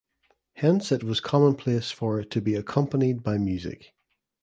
Hence it was commonplace for it to be accompanied by music.